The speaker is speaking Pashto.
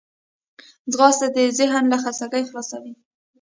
ځغاسته د ذهن له خستګي خلاصوي